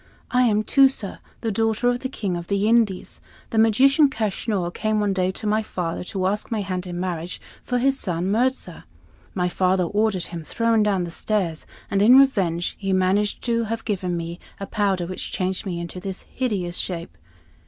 I am Tusa, the daughter of the King of the Indies. The magician, Kaschnur, came one day to my father, to ask my hand in marriage for his son Mirza. My father ordered him thrown down stairs, and in revenge he managed to have me given a powder which changed me into this hideous shape.